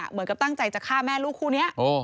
เหมือนกับตั้งใจจะฆ่าแม่ลูกคู่นี้